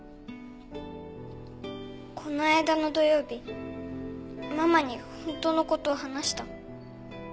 この間の土曜日ママに本当の事を話した。